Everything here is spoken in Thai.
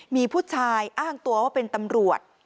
มีผู้ชายอ้างตัวว่าเป็นตำรวจ